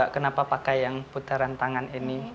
kenapa pakai yang putaran tangan ini